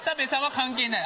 関係ない？